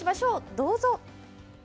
どうぞ。